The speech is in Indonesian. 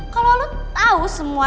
kalo lo tau semua